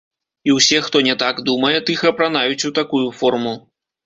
І ўсе, хто не так думае, тых апранаюць у такую форму.